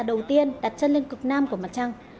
đầu tiên đặt chân lên cực nam của mặt trăng